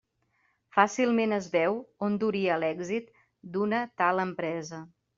Fàcilment es veu on duria l'èxit d'una tal empresa.